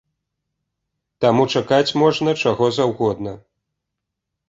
Таму чакаць можна чаго заўгодна!